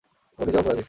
ও নিজেই অপরাধী।